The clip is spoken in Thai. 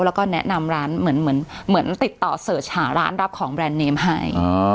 แล้วก็แนะนำร้านเหมือนติดต่อเสิร์ชหาร้านรับของแบรนด์เนมให้